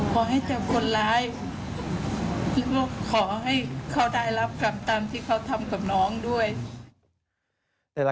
ขอให้เจอคนร้ายแล้วก็ขอให้เขาได้รับกรรมตามที่เขาทำกับน้องด้วย